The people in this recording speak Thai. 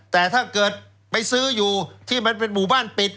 แต่ถ้าเกิดไปซื้ออยู่ที่มันเป็นหมู่บ้านปิด